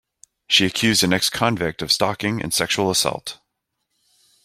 She accused an ex-convict of stalking and sexual assault.